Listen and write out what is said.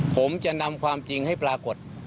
ผมจะนำความจริงให้ปรากฏ